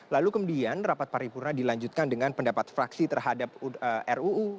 lalu kemudian rapat paripurna dilanjutkan dengan pendapat fraksi terhadap ruu